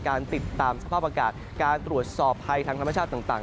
การติดตามสภาพอากาศการตรวจสอบภัยทางธรรมชาติต่าง